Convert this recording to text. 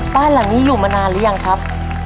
บ้านหลังนี้อยู่มานานหรือยังครับ